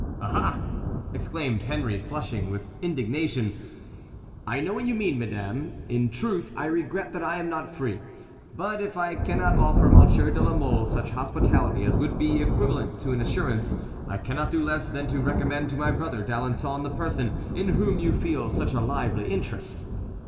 "Aha!" exclaimed Henry, flushing, with indignation, "I know what you mean, madame. In truth, I regret that I am not free. But if I cannot offer Monsieur de la Mole such hospitality as would be equivalent to an assurance, I cannot do less than to recommend to my brother D'Alençon the person in whom you feel such a lively interest.